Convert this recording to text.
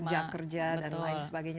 jam kerja dan lain sebagainya